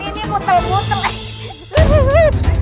ini putar putar